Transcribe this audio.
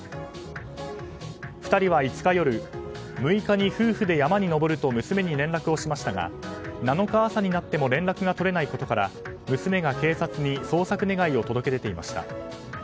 ２人は５日夜６日に夫婦で山に登ると娘に連絡をしましたが７日朝になっても連絡が取れないことから娘が警察に捜索願を届け出ていました。